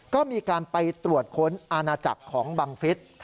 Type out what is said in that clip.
ก็มีการไปตรวจค้นอาณาจักรของบังฟิศ